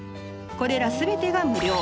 これら全てが無料。